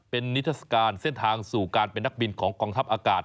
เป็นนิทัศกาลเส้นทางสู่การเป็นนักบินของกองทัพอากาศ